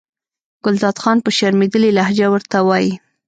ګلداد خان په شرمېدلې لهجه ورته وایي.